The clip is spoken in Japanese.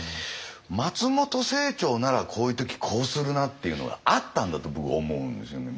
松本清張ならこういう時こうするなっていうのがあったんだと僕思うんですよね。